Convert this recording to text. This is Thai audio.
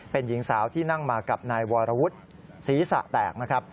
เป็นหญิงสาวที่นั่งมากับนายวรวุฒิศีรษะแตกนะครับ